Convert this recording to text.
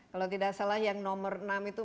kalau tidak salah yang nomor enam itu